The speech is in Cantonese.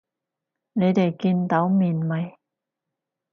你哋見到面未？